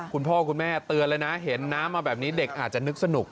คุณพ่อคุณแม่เตือนเลยนะเห็นน้ำมาแบบนี้เด็กอาจจะนึกสนุก